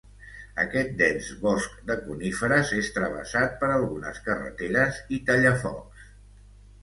Aquest dens bosc de coníferes és travessat per algunes carreteres i tallafocs.